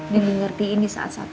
dan di ngertiin di saat satu